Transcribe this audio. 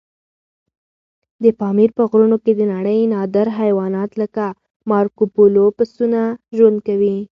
د پامیر په غرونو کې د نړۍ نادر حیوانات لکه مارکوپولو پسونه ژوند کوي.